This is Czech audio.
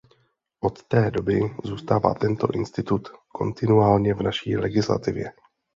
Od té doby zůstává tento institut kontinuálně v naší legislativě.